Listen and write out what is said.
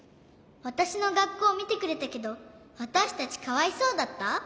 わたしのがっこうみてくれたけどわたしたちかわいそうだった？